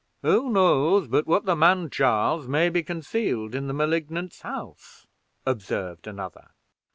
"Who knows but what the man Charles may be concealed in the Malignant's house?" observed another.